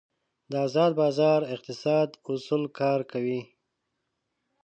د ازاد بازار اقتصاد اصول کار کوي.